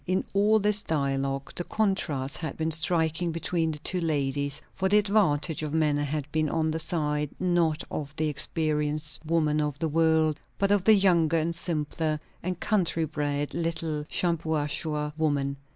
In all this dialogue, the contrast had been striking between the two ladies; for the advantage of manner had been on the side, not of the experienced woman of the world, but of the younger and simpler and country bred little Shampuashuh woman.